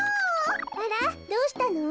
あらっどうしたの？